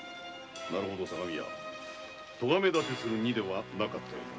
相模屋とがめだてする荷ではなかったようだ。